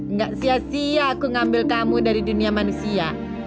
nggak sia sia aku ngambil kamu dari dunia manusia